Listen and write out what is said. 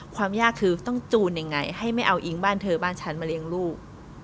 ความยากคือต้องจูนยังไงให้ไม่เอาอิงบ้านเธอบ้านฉันมาเลี้ยงลูก